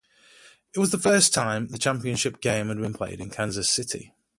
It was the first time the Championship Game had been played in Kansas City.